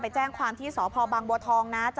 เพราะว่ามอเตอร์ไซค์เขามาเร็วจริงนะฮะ